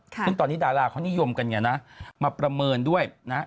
ซึ่งตอนนี้ดาราเขานิยมกันไงนะมาประเมินด้วยนะ